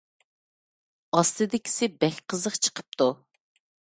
ئاستىدىكىسى بەك قىزىق چىقىپتۇ.